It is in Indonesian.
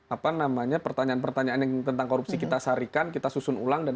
apa namanya pertanyaan pertanyaan yang tentang korupsi kita sarikan kita susun ulang dan